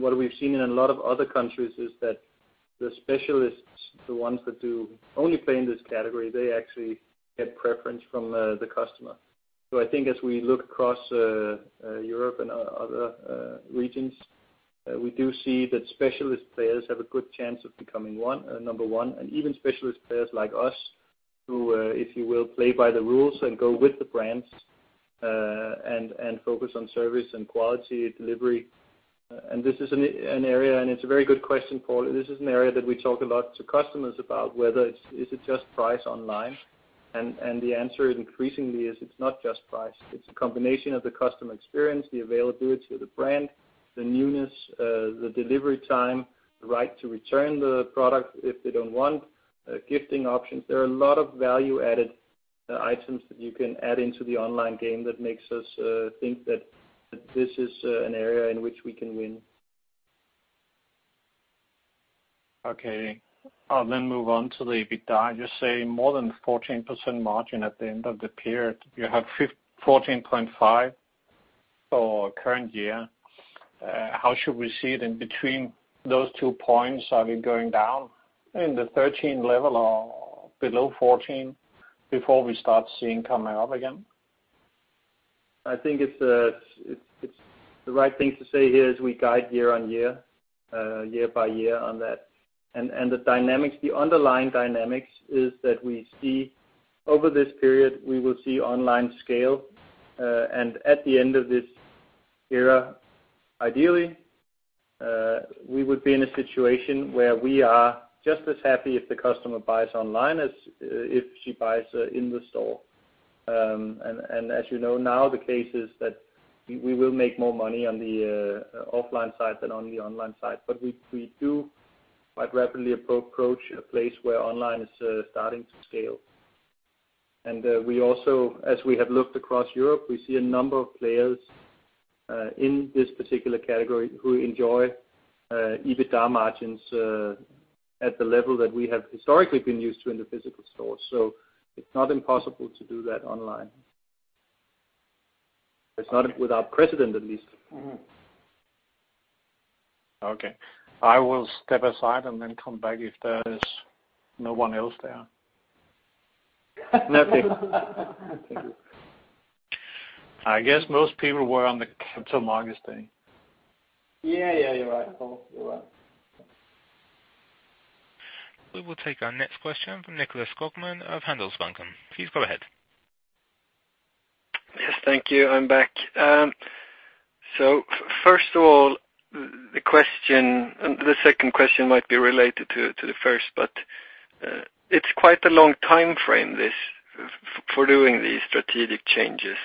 What we've seen in a lot of other countries is that the specialists, the ones that do only play in this category, they actually get preference from the customer. I think as we look across Europe and other regions, we do see that specialist players have a good chance of becoming number one, and even specialist players like us, who, if you will, play by the rules and go with the brands, and focus on service and quality delivery. It's a very good question, Poul. This is an area that we talk a lot to customers about, whether is it just price online? The answer increasingly is it's not just price. It's a combination of the customer experience, the availability to the brand, the newness, the delivery time, the right to return the product if they don't want, gifting options. There are a lot of value-added items that you can add into the online game that makes us think that this is an area in which we can win. Okay. I'll move on to the EBITDA. You say more than 14% margin at the end of the period. You have 14.5% for current year. How should we see it in between those two points? Are we going down in the 13% level or below 14% before we start seeing coming up again? I think the right thing to say here is we guide year-by-year on that. The underlying dynamics is that we see over this period, we will see online scale, and at the end of this era. Ideally, we would be in a situation where we are just as happy if the customer buys online as if she buys in the store. As you know now, the case is that we will make more money on the offline side than on the online side. We do quite rapidly approach a place where online is starting to scale. As we have looked across Europe, we see a number of players in this particular category who enjoy EBITDA margins at the level that we have historically been used to in the physical stores. It's not impossible to do that online. It's not without precedent, at least. Okay. I will step aside and then come back if there's no one else there. Nothing. I guess most people were on the Capital Markets Day. Yeah. You're right. We will take our next question from Nicklas Skogman of Handelsbanken. Please go ahead. Yes. Thank you. I'm back. First of all, the second question might be related to the first, but it's quite a long timeframe, this, for doing these strategic changes.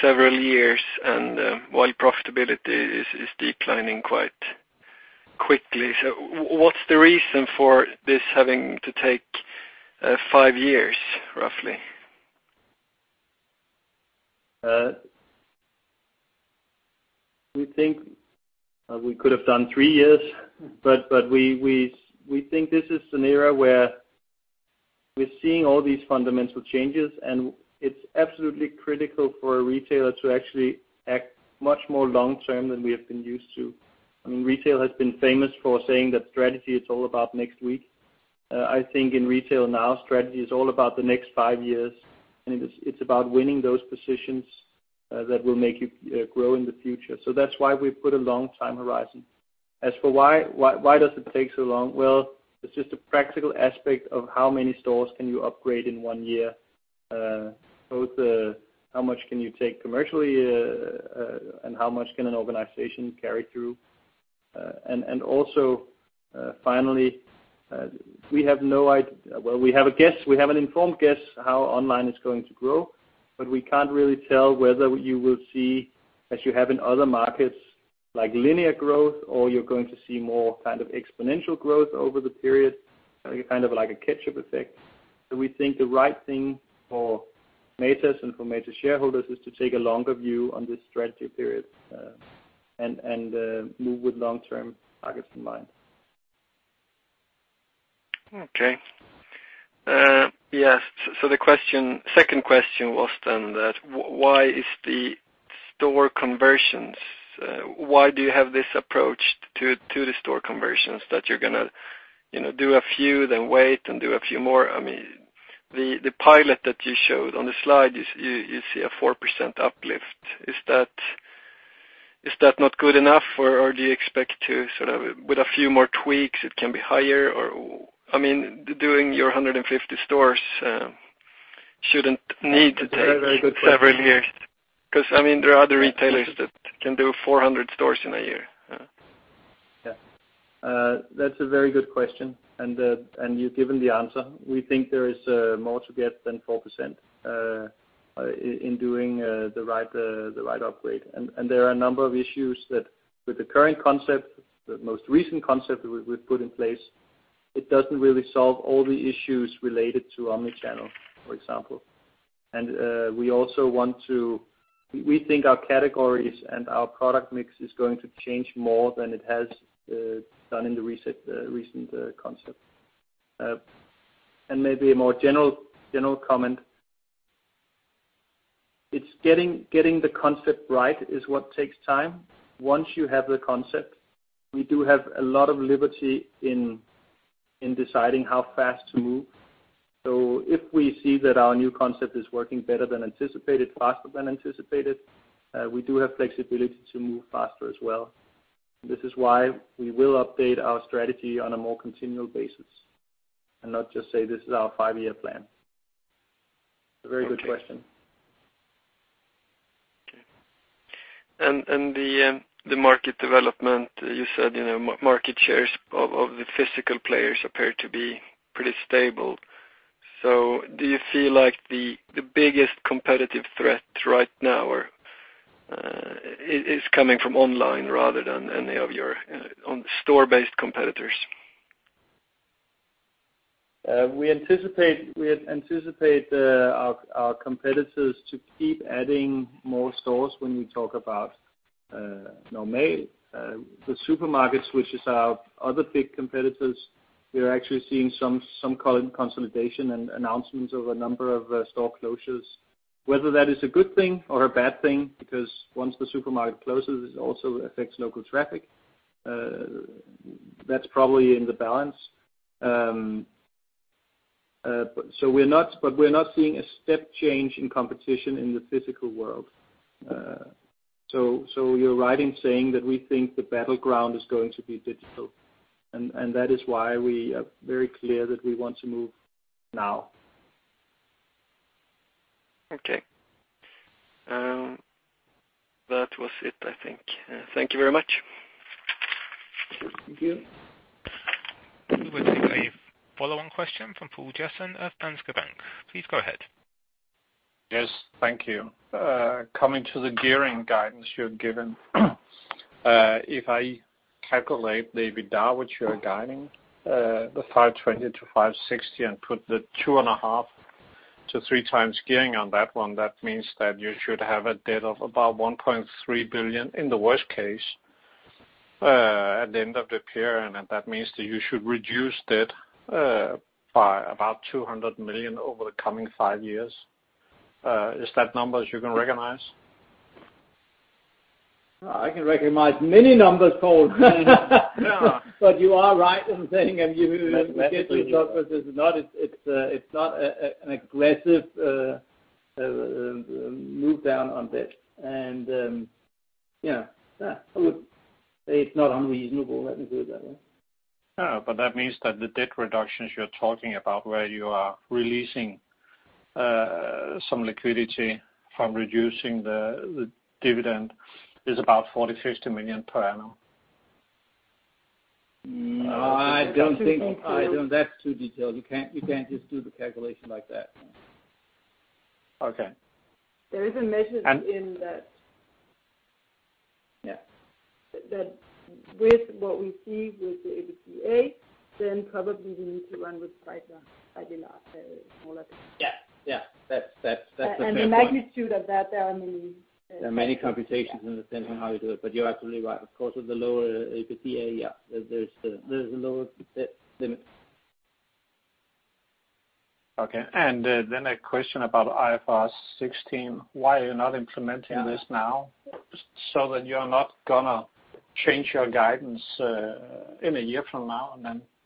Several years and while profitability is declining quite quickly. What's the reason for this having to take five years, roughly? We think we could have done three years, but we think this is an era where we're seeing all these fundamental changes, and it's absolutely critical for a retailer to actually act much more long-term than we have been used to. Retail has been famous for saying that strategy is all about next week. I think in retail now, strategy is all about the next five years, and it's about winning those positions that will make you grow in the future. That's why we've put a long time horizon. As for why does it take so long? Well, it's just a practical aspect of how many stores can you upgrade in one year. Both how much can you take commercially and how much can an organization carry through? Also, finally, we have an informed guess how online is going to grow, but we can't really tell whether you will see, as you have in other markets, linear growth, or you're going to see more kind of exponential growth over the period, kind of like a ketchup effect. We think the right thing for Matas and for Matas shareholders is to take a longer view on this strategy period and move with long-term targets in mind. Okay. Yes. The second question was then that why is the store conversions, why do you have this approach to the store conversions that you're going to do a few then wait and do a few more? The pilot that you showed on the slide, you see a 4% uplift. Is that not good enough or do you expect to sort of, with a few more tweaks, it can be higher? Doing your 150 stores shouldn't need to take- That's a very good question. several years. There are other retailers that can do 400 stores in a year. Yeah. That's a very good question and you've given the answer. We think there is more to get than 4% in doing the right upgrade. There are a number of issues that with the current concept, the most recent concept we've put in place, it doesn't really solve all the issues related to omni-channel, for example. We think our categories and our product mix is going to change more than it has done in the recent concept. Maybe a more general comment. Getting the concept right is what takes time. Once you have the concept, we do have a lot of liberty in deciding how fast to move. If we see that our new concept is working better than anticipated, faster than anticipated, we do have flexibility to move faster as well. This is why we will update our strategy on a more continual basis and not just say, "This is our five-year plan." A very good question. Okay. The market development, you said market shares of the physical players appear to be pretty stable. Do you feel like the biggest competitive threat right now is coming from online rather than any of your own store-based competitors? We anticipate our competitors to keep adding more stores when we talk about the supermarkets, which is our other big competitors. We are actually seeing some consolidation and announcements of a number of store closures. Whether that is a good thing or a bad thing, because once the supermarket closes, it also affects local traffic. That's probably in the balance. We're not seeing a step change in competition in the physical world. You're right in saying that we think the battleground is going to be digital, and that is why we are very clear that we want to move now. Okay. That was it, I think. Thank you very much. Thank you. We will take a follow-on question from Poul Jessen of Danske Bank. Please go ahead. Yes. Thank you. Coming to the gearing guidance you're giving. If I calculate the EBITDA, which you are guiding, the 520-560, and put the 2.5-3x gearing on that one, that means that you should have a debt of about 1.3 billion in the worst case, at the end of the period. That means that you should reduce debt by about 200 million over the coming five years. Is that numbers you can recognize? I can recognize many numbers, Poul. Yeah. You are right in saying, and you get the results, but it's not an aggressive move down on debt. Yeah. I would say it's not unreasonable. Let me put it that way. That means that the debt reductions you're talking about, where you are releasing some liquidity from reducing the dividend, is about 40 million-50 million per annum. No, I don't think so. That's too detailed. You can't just do the calculation like that. Okay. There is a measure in that. Yeah. That with what we see with the EBITDA, probably we need to run with quite a smaller Yeah. That's the fair point. The magnitude of that, there are many- There are many computations in the sense of how you do it, but you're absolutely right. Of course, with the lower EBITDA, yeah, there's a lower limit. Okay. A question about IFRS 16. Why are you not implementing this now so that you're not going to change your guidance in a year from now,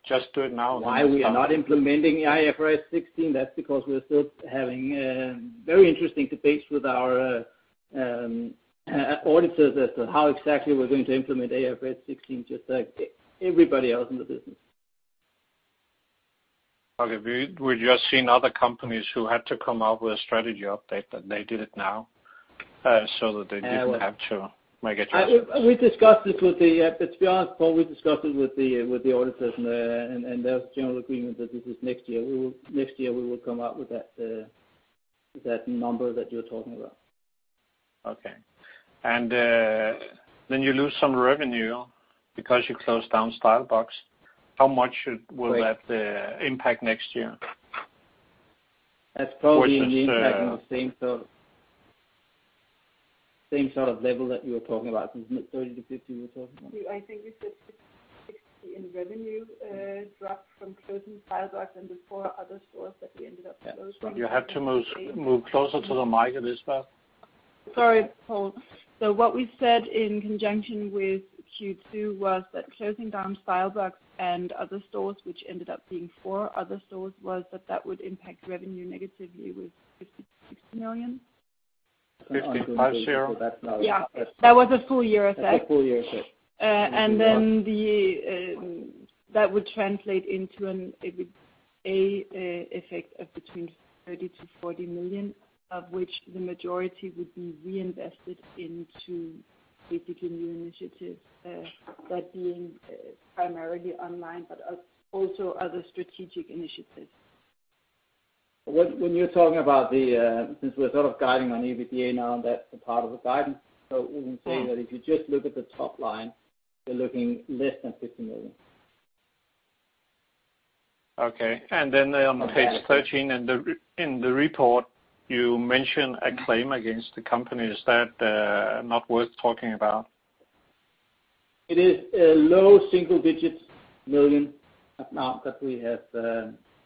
just do it now? Why we are not implementing IFRS 16, that's because we're still having very interesting debates with our auditors as to how exactly we're going to implement IFRS 16, just like everybody else in the business. Okay. We're just seeing other companies who had to come out with a strategy update, that they did it now, so that they didn't have to make adjustments. To be honest, Poul, we discussed it with the auditors. There was general agreement that this is next year. Next year, we will come out with that number that you're talking about. Okay. You lose some revenue because you closed down Stylebox. How much will that impact next year? That's probably in the impact of same sort of level that you were talking about, isn't it, 30-50 you were talking about? I think we said 60 in revenue drop from closing Stylebox and the four other stores that we ended up closing. You have to move closer to the mic, Elisabeth. Sorry, Poul. What we said in conjunction with Q2 was that closing down Stylebox and other stores, which ended up being four other stores, was that that would impact revenue negatively with 50 million to 60 million. DKK 50 plus. [inaudible] Yeah. That was a full year effect. That's a full year effect. That would translate into an effect of between 30 million-40 million, of which the majority would be reinvested into basically new initiatives, that being primarily online, but also other strategic initiatives. When you're talking about the, since we're sort of guiding on EBITDA now, and that's a part of the guidance, so we can say that if you just look at the top line, we're looking less than DKK 50 million. Okay. On page 13 in the report, you mention a claim against the company. Is that not worth talking about? It is a low single digits million DKK amount that we have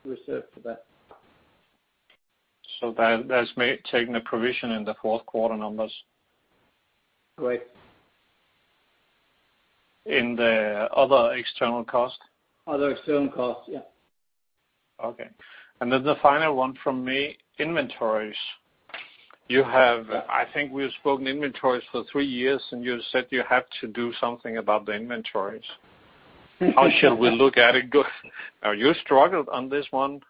reserved for that. That's taken a provision in the fourth quarter numbers. Right. In the other external cost? Other external cost, yeah. Okay. The final one from me, inventories. I think we've spoken inventories for three years, you said you have to do something about the inventories. How shall we look at it? You struggled on this one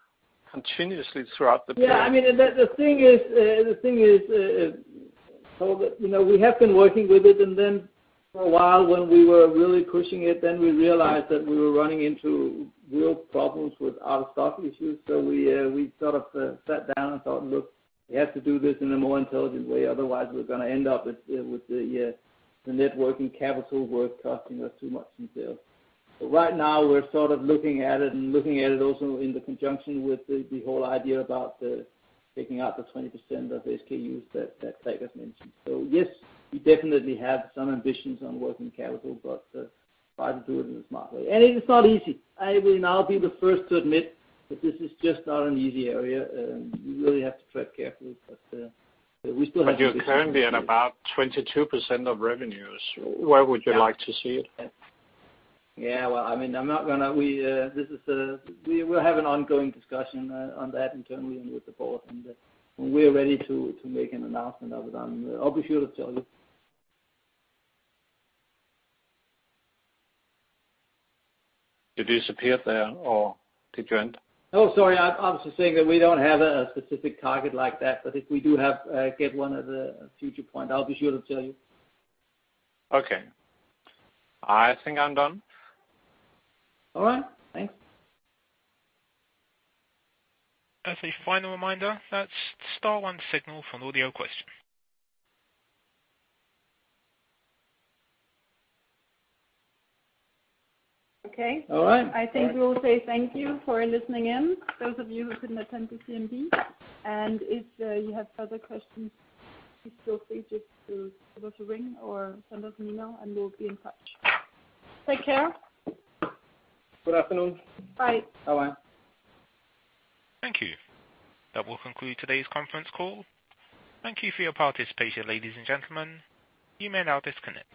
continuously throughout the period. The thing is, Poul, we have been working with it, and then for a while when we were really pushing it, then we realized that we were running into real problems with out-of-stock issues. We sort of sat down and thought, "Look, we have to do this in a more intelligent way." Otherwise, we're going to end up with the net working capital worth costing us too much in sale. Right now, we're sort of looking at it, and looking at it also in the conjunction with the whole idea about the taking out the 20% of SKUs that Peik has mentioned. Yes, we definitely have some ambitions on working capital, but try to do it in a smart way. It's not easy. I will now be the first to admit that this is just not an easy area. You really have to tread carefully, but we still have to. You're currently at about 22% of revenues. Where would you like to see it? Yeah, well, we'll have an ongoing discussion on that internally and with the board, and when we're ready to make an announcement of it, I'll be sure to tell you. You disappeared there or did you end? Oh, sorry. I was just saying that we don't have a specific target like that, but if we do get one at a future point, I'll be sure to tell you. Okay. I think I'm done. All right. Thanks. As a final reminder, that's star one, signal for an audio question. Okay. All right. I think we will say thank you for listening in, those of you who couldn't attend the CMD. If you have further questions, please feel free just to give us a ring or send us an email. We'll be in touch. Take care. Good afternoon. Bye. Bye-bye. Thank you. That will conclude today's conference call. Thank you for your participation, ladies and gentlemen. You may now disconnect.